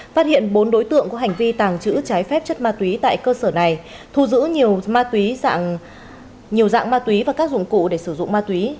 phát hiện bốn đối tượng có hành vi tàng trữ trái phép chất ma túy tại cơ sở này thu giữ nhiều dạng ma túy và các dụng cụ để sử dụng ma túy